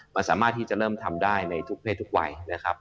มันสามารถที่จะเริ่มทำได้ในทุกเพศทุกวัยนะครับ